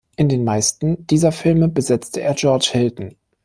In den meisten dieser Filme besetzte er George Hilton.